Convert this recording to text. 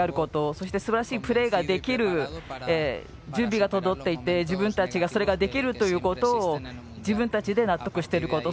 そしてすばらしいプレーができる準備が整っていて自分たちがそれができるということを自分たちで納得していること。